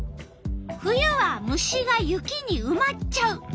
「冬は虫が雪にうまっちゃう」。